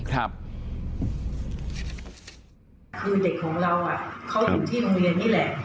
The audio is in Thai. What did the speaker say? คือเด็กของเราเขาอยู่ที่โรงเรียนนี่แหละ